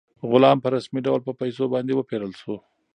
غلام په رسمي ډول په پیسو باندې وپېرل شو.